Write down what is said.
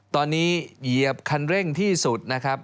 ตอนนี้เหยียบคันเร่งที่สุดนะครับ